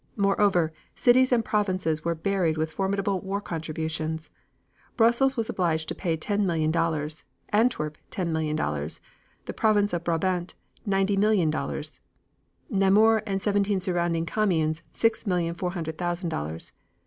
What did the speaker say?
Moreover, cities and provinces were burdened with formidable war contributions. Brussels was obliged to pay ten million dollars, Antwerp ten million dollars, the province of Brabant, ninety millions of dollars, Namur and seventeen surrounding communes six million four hundred thousand dollars.